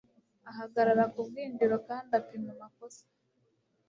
Ahagarara ku bwinjiriro kandi apima amakosa